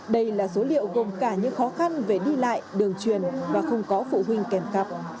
đây là số liệu gồm cả những khó khăn về đi lại đường truyền và không có phụ huynh kèm cặp